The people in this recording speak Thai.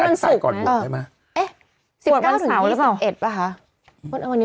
วันนี้วันอะไร